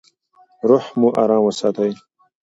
روح مو ارام وساتئ.